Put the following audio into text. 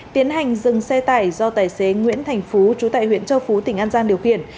tiến hành dừng xe tải do tài xế nguyễn thành phú trú tại huyện châu phú tỉnh an giang điều khiển